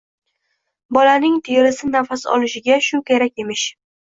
Bolaning terisi nafas olishiga shu kerak emish